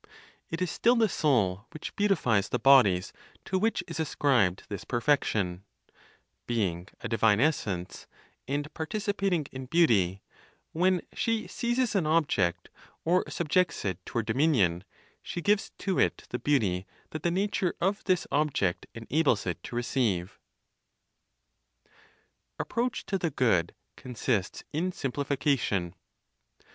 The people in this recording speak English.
It is still the soul which beautifies the bodies to which is ascribed this perfection; being a divine essence, and participating in beauty, when she seizes an object, or subjects it to her dominion, she gives to it the beauty that the nature of this object enables it to receive. APPROACH TO THE GOOD CONSISTS IN SIMPLIFICATION.